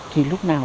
thì lúc nào